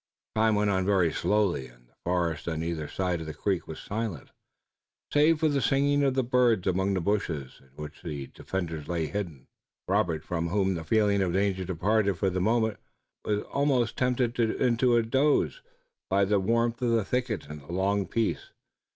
Time went on very slowly and the forest on either side of the creek was silent, save for the singing of the birds among the bushes in which the defenders lay hidden. Robert, from whom the feeling of danger departed for the moment, was almost tempted into? a doze by the warmth of the thicket and the long peace.